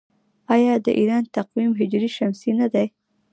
آیا د ایران تقویم هجري شمسي نه دی؟